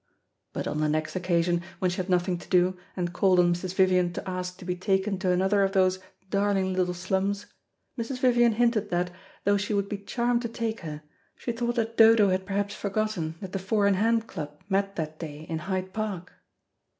But on the next occasion when she had nothing to do, and called on Mrs. Vivian to ask to be taken to another of those "darling little slums," Mrs. Vivian hinted that, though she would be charmed to take her, she thought that Dodo had perhaps forgotten that the Four in hand Club met that day in Hyde Park.